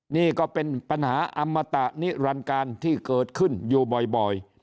นี่ก็เป็นปัญหาอมตะนิรันการที่เกิดขึ้นอยู่บ่อย